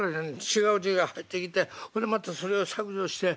違う字が入ってきてほんでまたそれを削除して。